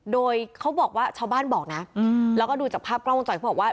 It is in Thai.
โดยเขาบอกว่าชาวบ้านบอกนะแล้วก็ดูจากภาพกล้องวงจรปิดเขาบอกว่า